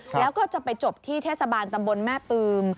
แล้วก็จะไปจบที่เทศบาลตำบลแม่ปืม